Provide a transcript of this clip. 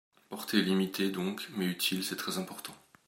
Portée limitée donc, mais utile, c’est très important.